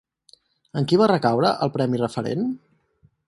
En qui va recaure el Premi Referent?